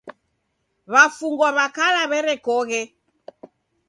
W'afungwa w'a kala w'erekoghe.